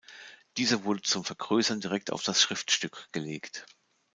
Dieser wurde zum Vergrößern direkt auf das Schriftstück gelegt.